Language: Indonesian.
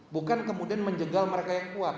bukan kemudian menjegal mereka yang kuat